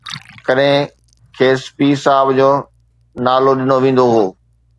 ڪڏهن کيس پير صاحب جو نالو ڏنو ويندو هو